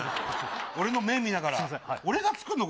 俺の目、見ながら。